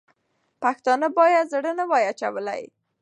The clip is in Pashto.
پښتانه باید زړه نه وای اچولی.